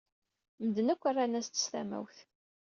Medden akk rran-as-d s tamawt.